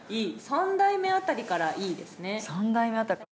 ３台目辺りから、いいですね。